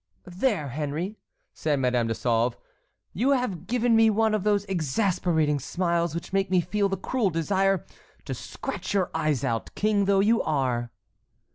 "There, Henry," said Madame de Sauve, "you have given me one of those exasperating smiles which make me feel the cruel desire to scratch your eyes out, king though you are."